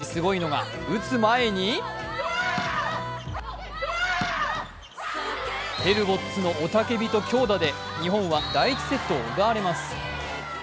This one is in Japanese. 何よりすごいのが打つ前にヘルボッツの雄たけびと強打で日本は第１セットを奪われます。